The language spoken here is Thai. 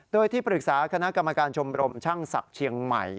โดยที่ปรึกษาคณะกรรมการชมรมช่างศักดิ์เชียงใหม่